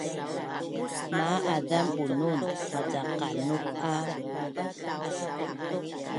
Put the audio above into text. Maa azam Bunun maca qanup a